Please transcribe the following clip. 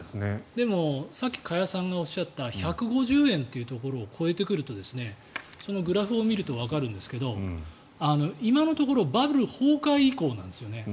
でも、さっき加谷さんがおっしゃった１５０円というところを超えてくるとそのグラフを見るとわかるんですが今のところバブル崩壊以降なんですよね。